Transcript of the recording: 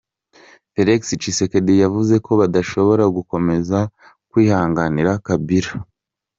Félix Tshisekedi yavuze ko badashobora gukomeza kwihanganira Kabila.